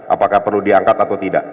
apakah perlu diangkat atau tidak